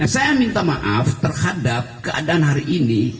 saya minta maaf terhadap keadaan hari ini